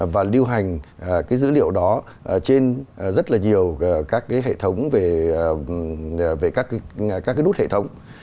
và lưu hành cái dữ liệu đó trên rất là nhiều các cái hệ thống về các cái nút hệ thống